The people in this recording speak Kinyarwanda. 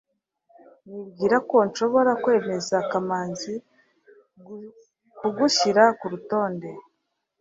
nibwira ko nshobora kwemeza kamanzi kugushyira kurutonde